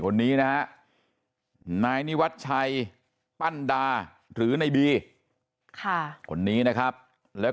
คนนี้นะฮะนายนิวัชชัยปั้นดาหรือในบีคนนี้นะครับแล้ว